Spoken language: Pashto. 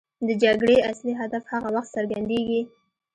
د جګړې اصلي هدف هغه وخت څرګندېږي.